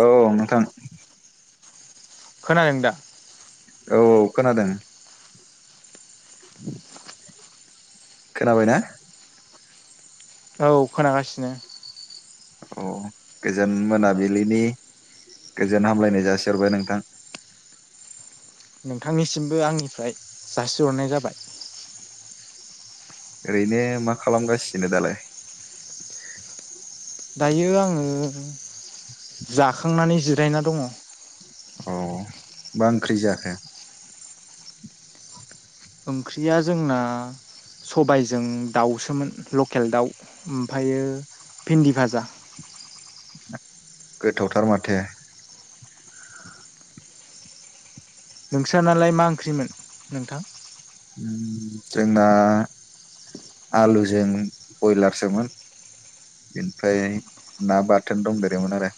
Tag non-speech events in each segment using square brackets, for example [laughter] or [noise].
औ नोंथां। खोनादोंदा? औ औ खोनादों। [inaudible] खोनाबायना? औ खोनागासिनो। औ गोजोन मोनाबिलिनि गोजोन हामलायनाय जासि हरबाय नोंथां। नोंथांनिसिमबो आंनिफ्राय जासिहरनाय जाबाय। ओरैनो मा खालामगासिनो दालाय? दायो आं जाखांनानै जिरायना दङ। अ मा ओंख्रि जाखो? ओंख्रिया जोंना सबायजों दाउसोमोन लकेल दाउ ओमफायो भिन्दि भाजा। गोथावथार माथो। नोंस्रा नालाय मा ओंख्रिमोन नोंथां? उम जोंना आलुजों बयलारसोमोन ओमफ्राय ना बाथोन दंदेरोमोन आरो ।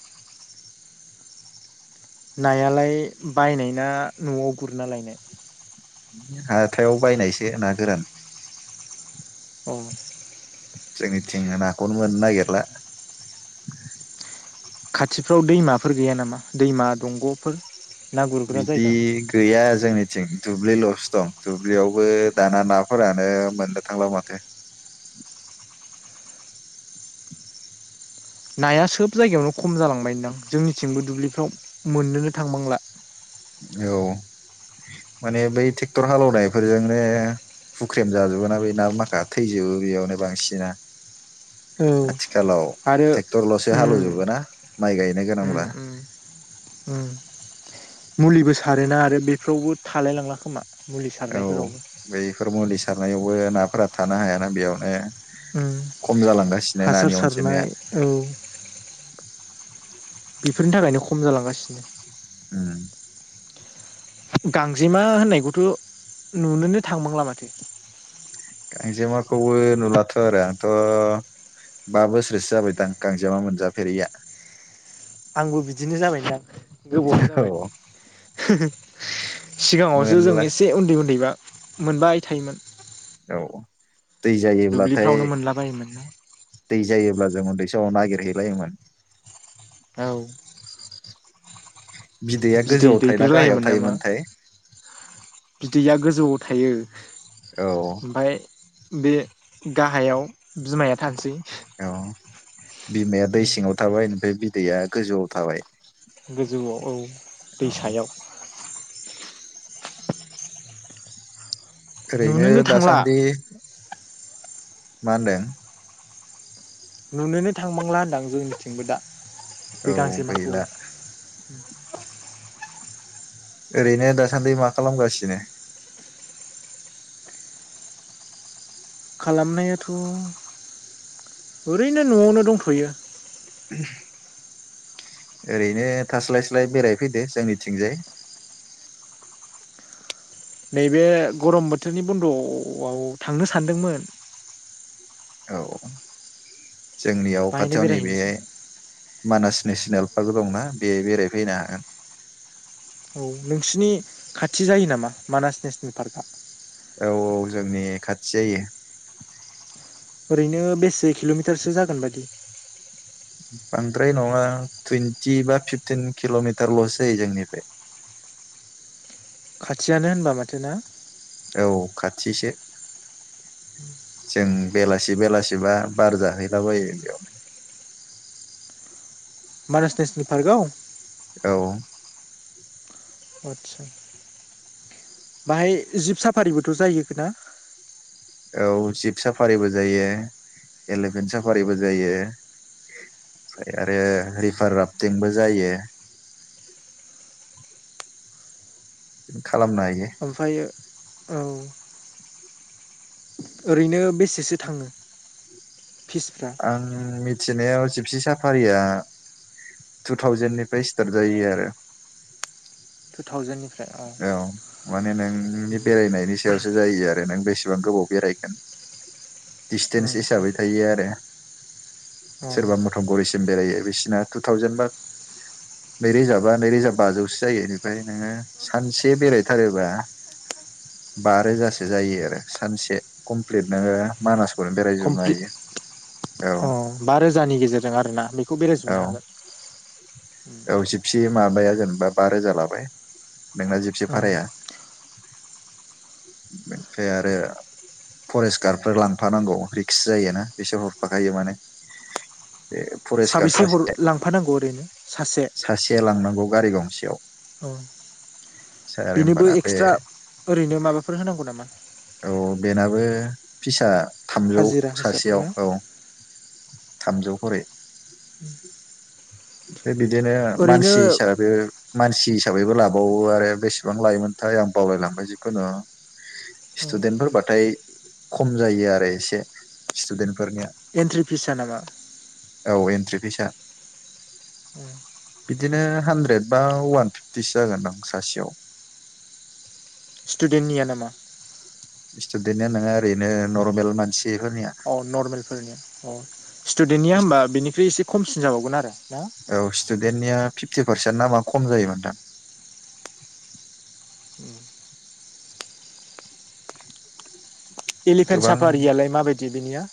नायालाय बायनाय ना न'आव गुरना लायनाय? हथायाव बायनायसो ना गोरान। अ जोंनि थिं नाखौनो मोननो नागिरला। खाथिफ्राव दैमाफोर गैया नामा दैमा दंग'फोर? ना गुरग्रा बिदि जायगा? गैया जोंनिथिं दुब्लिल'सो दं दुब्लियावबो दाना नाफोरानो मोननो थांला माथो। नाया सोब जायगायावनो खम जालांबायदां जोंनिथिंबो दुब्लिफ्राव मोननोनो थांबांला। औ माने बै ट्रेक्टर हालेवनायफोरजोंनो हुख्रेम जाजोबो ना बे ना माखा थैजोबो बेयावनो बांसिना औ । आथिखालाव आरो टेक्टरलसो हालेव उम जोबोना । माइ गायनो उम गोनांब्ला उम उम मुलिबो सारोना आरो बेफ्रावबो थालायलांला खोमा। मुलि औ सारनायफोरावबो बै हरमालिस सारनायावबो नाफोरा थानो हायाना बेयावनो ओम खम जालांगासिनो हासार नानि अनजिमाया सारनाय औ बेफोरनि थाखायनो खम जालांगासिनो। उम गांजेमा होननायखौथ' नुनोनो थांबांला माथो। गांजेमाखौबो नुलाथ' आरो आंथ' बा बोसोरसो जाबायदां गांजेमा मोनजाफेरिया। आंबो बिदिनो जाबायदां। गोबाव औ जाबाय। [unintelligible] सिगाङावसो जों मोनला एसे उन्दै उन्दैबा मोनबाय थायोमोन। औ दै जायोब्लाथाय दुब्लिफ्रावनो मोनलाबायोमोन ना दै जायोब्ला जों उन्दै समआव नागिरहैलायोमोन। औ बिदैया बिदै गोजौआव थायोना गाहायाव दैग्रोलायोमोन नामा थायोमोनथाय बिदैया गोजौआव थायो। औ ओमफ्राय बे गाहायाव बिमाया थानोसै, औ बिमाया दै उम सिङाव थाबाय, ओमफ्राय [unintelligible] गोजौआव थाबाय। गोजौआव औ औ दैसायाव ओरैनो नुनोनो थांला दासान्दि, मा होनदों? नुनोनो थांबांला होनदां जोंनिथिंबो दा बे औ गांजेमाखौबो गैला [unintelligible] ओरैनो दासान्दि मा खालामगासिनो खालामनायाथ' ओरैनो न'आवनो दंथ'यो ओरैनो थास्लाय स्लाय बेरायफैदो जोंनिथिंजाय नैबे गरम बोथोरनि बन्द'आव आं थांनो सानदोंमोन औ जोंनियाव बाहायनो खाथियाव नैबे बेरायहैनोसै मानास नेसनेल पार्क दंना बे बेरायफैनो हागोन औ नोंसिनि खाथि जायो नामा मानास नेसनेल पार्कआ औ औ जोंनि खाथि जायो ओरैनो बेसे किल'मिटारसो जागोन बायदि बांद्राय नङा टुइन्टि बा फिफटिन किल'मिटारल'सो जायो जोंनिफ्राय खाथियानो होनबा माथो ना औ खाथिसो जों बेलासि बेलासिबा बार जाहैलाबायो बेयावनो मानास नेसनेल पार्कआव औ आस्सा बाहाय जिब साफारिबोथ' जायोना औ जिप साफारिबो जायो एलिफेन्ट साफारिबो जायो ओमफ्राय आरो रिभार राफटिंबो जायो [inaudible] खालामनो हायो ओमफ्राय औ ओरैनो बेसेसो थाङो फिसफ्रा आं मिथिनायाव सिपसि साफारिया टु थावजेेननिफ्राय स्टार्ट जायो आरो थावजेनडनि औ माने नोंनि बेरायनायनि सायावसो जायो आरो नों बे बेसेबां गोबाव बेरायगोन दिडसटेन्स उम हिसाबै थायो आरो अ सोरबा मथ'गरिसिम बेरायो बिसिना टु थावजेन बा नै रोजा बा नै रोजा बाजौसो जायो बेनिफ्राय नोङो सानसे बेरायथारोबा बा रोजासो जायो आरो सानसे कमप्लिट नोङो मानास नो बेरायजोबनो कमप्लिट हायो औ अ बा रोजानि गेजेरजों आरोना बेखौ बेरायजोबनो औ हागोन औ जिबसि माबाया जेनेबा बा रोजा लाबाय बेंला जिपसे उम भाराया बेनिफ्राय आरो फरेस्ट गार्डफोर लांफानांगौ रिक्स जायोना बिसोर हरफाखायो माने बे फरेस्ट गार्ड साबेसे हर सासे लांफानांगौ ओरैनो सासे सेयाव औ बेनोबो होमबाना बे एक्सट्रा ओरैनो माबाफोर होनांगौ नामा? औ बेनाबो फिसा थामजौ हाजिरा हिसाब सासेयाव ना औ थामजौ कररि बिदिनो ओरैनो मानसि हिसाबै मानसि मासि हिसाबैबो लाबावो आरो बेसेबां लायोमोनथाय आं बावलायलांबाय जिखुनु सटुडेन्टफोर बाथाय खम जायो आरो एसे स्टुदेन्टफोरनिया एन्ट्रि फिस स नामा? औ एन्ट्रि फिसा य औ बिदिनो हानद्रेद बा वान फिफ्टिसो जागोनदां सासेयाव स्टुडेन्टनिया नामा? सटुदेनआ नङा ओरैनो नरमेल मानसि औ नर्मेलफोरनिया औ स्टुडेन्टनिया होबा बिनिख्रुइ एसे खमसिन जाबावगोन आरो ना औ स्टुडेन्टनिया फिफ्टि पारसेन्ट नामा खम जायोमोनदां एलिफेन्ट गोबां साफारिया माबायदि? गेबिनिया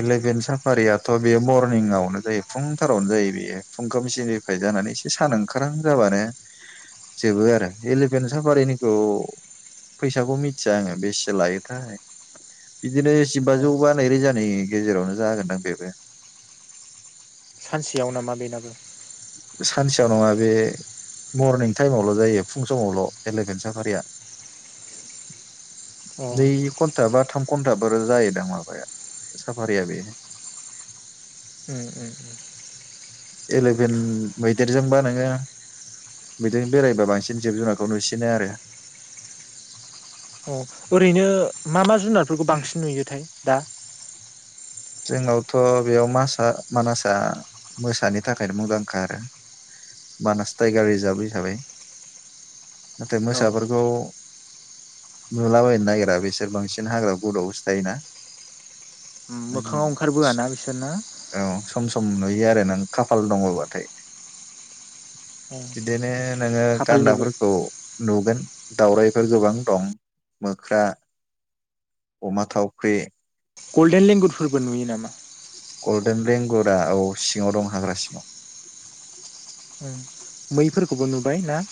इलेभेन साफारियाथ' बेयो मरनिंआवनो जायो फुंथारावनो जायो बेयो फुंखामसिनिफ्राय जानानै एसे सान ओंखारां जाबानो जोबो आरो इलेभेन साफारिनिखौ फैसाखौ मिथिया आङो बेसे लायोथाय बिदिनो अ जिबाज जौ बा रोजा नि गेजेरावनो जागोन आं बेबो सानसेयाव नामा बेनाबो सानसेयाव नङा बे मरनिं टाइमावल' जायो फुं समावल' एलेभेेन साफारिया अ दै खथबा थाम घन्टाब जायोदां माबाया साफारिया बे उम उमम एले भेन मैदेरजोंबा नोङो मैदेरजों बेरायबा बांसिन जिब जुनारखौ नुसिनो आरो। औ ओरैनो मा मा जुनारफोरखौ बांसिन नुयोथाय दा जोंनावथ' बेयावासा मानसा मोसानि थाखायनो मुंदांखा आरो मानास टाइगार रिजार्भ हिसाबै नाथाय औ मोसाफोरखौ नुलाबायनो नागिरा बिसोर बांसिन हाग्रा गदआवो थायोना मोखाङाव ओंखारबोआ ना बिसोरना खम नुयो आरो नों खाफाल दङबाथाय। बिदिनो नोङो खाफालनिबो गान्दाफोरखौ नुगोन। दावरायफोर गोबां दं मोख्रा अमा थावख्रि गल्डेन लेंगुदफोरबो नुयो नामा? गल्डेन लेंगुरा औ सिङाव दं हाग्रा सिङाव। उम मैफोरखौबो नुबाय ना?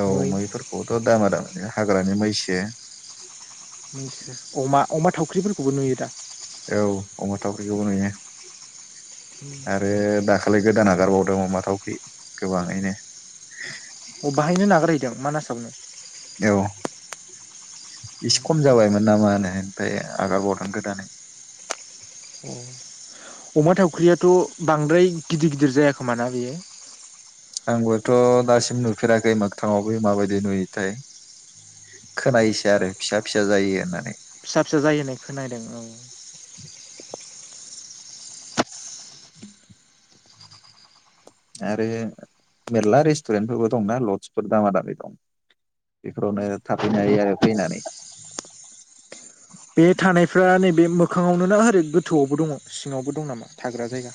औ मै मैफोरखौथ' दामा दाम। ओ हाग्रानि मैसो। अमा अमा थावख्रिफोरखौबो नुयो दा? औ अमा थावख्रिखौबो नुयो। आरो दाख खालै गोदान हागारबावदों अमा थावख्रि गोबाङैनो‌। अबाहायनो नागारहैदो मानासावनो औ एसे खम जाबायमोन नामा होनो ओमफ्राय आगारबावदों गोदानै अ' अमा थावख्रियाथ' बांद्राय गिदिर गिदिर जाय खोमा ना बियो। आंबोथ' दासिम नुफेराखै मोखथाङावबो माबायदि नुयोथाय खोनायोसो आरो फिसा फिसा जायो होननानै। फिसा फिसा जायो होननानै खोनादों औ। आरो मेरला रेस्टुरेन्टफोरबो दंना लडसफोर दामा दामि दं बेफोरावनो थाफैनो हायो आरो फैनानै। थानायफ्रा बे नैबे मोखाङावनो नाओरै गोथौआवबो दङ सिङावबो दं नामा थाग्रा जायगा।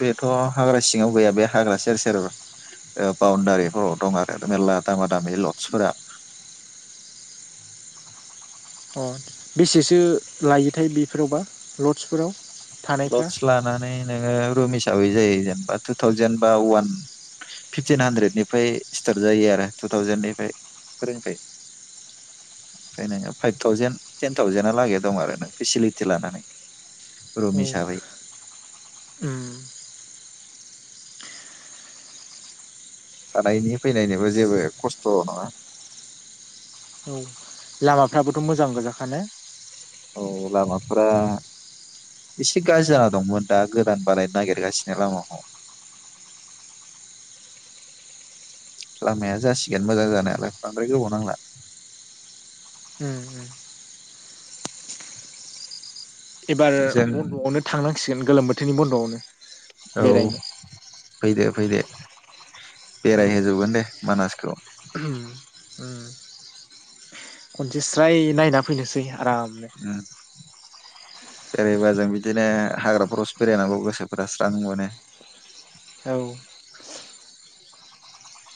बेथ' हाग्रा सिङाव गैया बे हाग्रा सेर सेर ओ बाउन्दारिफोराव दं आरो मेरला दामा दामि लदसफोरा। अ बेसेसो लायोथाय बेफोरावबा लडसफोराव लडस लानानै नोङो रुमिस हिसाबै जायो जेनेबा टु थावजेन बा अवान फिफटिन हानद्रेदनिफ्राय सिर्टाथ जायो आरो। टु थावजेननिफ्राय रोंफाय फायनो फाइभ थावजेन टेन थावजेना लागै दं आरो ना फेसिलिटि लानानै। रुम औ हिसाबै उम थानायनि फैनायनिबो जेबो खस्थ' नङा। औ लामाफ्राबोथ' मोजां गोजाखा ने? औ लामा फ्रा एसे गाज्रि जाना दंमोन दा गोदान बारायनो नागिरगासिनो लामाखौ। लामाया जासिगोन मोजां जानायालाय बांद्राय गोबाव नांला। उम उम एबार जों बन्द'आवनो थांनांसिगोन गोलोम बोथ थिनि बन्द'आवनो। औ बेरायनो फैदो। फैदे। औ बेरायहोजोबगोन दे मानासखौ। उम खनसे स्राय नायना फैनोसै आ आरामनो। बेरैबा जों बिदिनो हाग्राफोरावसो बेरायनांगौ गोसोफोरा स्रां मोनो। औ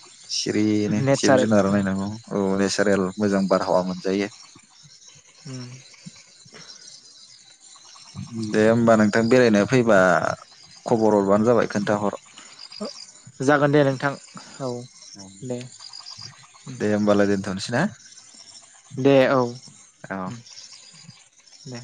[inaudible] सिरिनो सिब नेचारेल जुनारा नायनांगौ औ दे नेसारेल मोजां बारहावा मोनजायो। उम दे होमबा नोंथां बेरायनो फैबा खबर हरबानो जाबाय खोनथाहर जागोन दे नोंथां औ दे उम दे होमबालाय दोनथ'नोसै ना दे औ उम औ दे